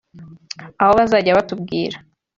aho bazajya batubwira